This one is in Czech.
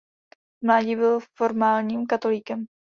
V mládí byl formálním katolíkem.